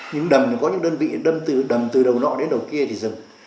những đầm thì có những đơn vị đầm từ đầu nọ đến đầu kia thì dừng